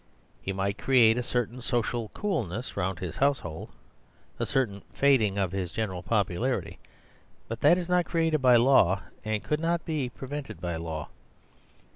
He might create a certain social coolness round his household, a certain fading of his general popularity. But that is not created by law, and could not be prevented by law.